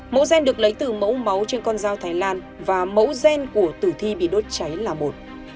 mẫu gen được lấy từ mẫu máu trên con dao thái lan và mẫu gen của tử thi bị đốt cháy là một